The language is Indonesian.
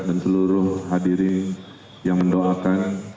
dan seluruh hadirin yang mendoakan